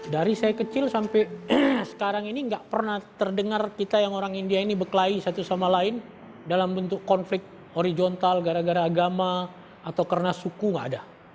dari saya kecil sampai sekarang ini nggak pernah terdengar kita yang orang india ini beklahi satu sama lain dalam bentuk konflik horizontal gara gara agama atau karena suku gak ada